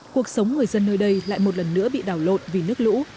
cuộc sống người dân nơi đây lại một lần nữa bị đảo lộn vì nước lũ